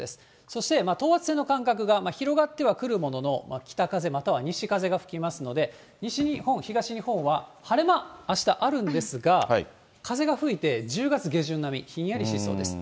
そして、等圧線の間隔が広がってはくるものの、北風、または西風が吹きますので、西日本、東日本は晴れ間、あしたあるんですが、風が吹いて、１０月下旬並み、ひんやりしそうです。